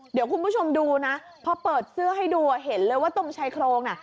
เดี๋ยวคุณผู้ชมดูนะพอเปิดเสื้อให้ดูเห็นเลยว่าตรงชายโครงน่ะ